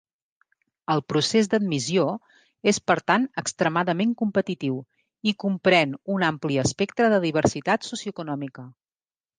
El procés d'admissió és per tant extremadament competitiu, i comprèn un ampli espectre de diversitat socioeconòmica.